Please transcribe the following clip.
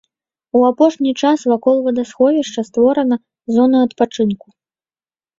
У апошні час вакол вадасховішча створана зона адпачынку.